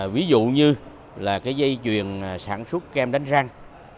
ví dụ như là cái dây chuyền sản xuất kem đánh răng